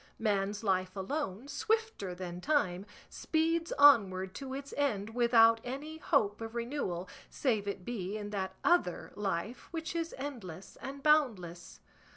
Man's life alone, swifter than time, speeds onward to its end without any hope of renewal, save it be in that other life which is endless and boundless.